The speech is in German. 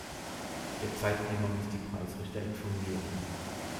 Der Zeitnehmer muss die Preisrichter informieren.